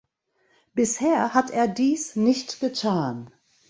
Bisher hat er dies nicht getan.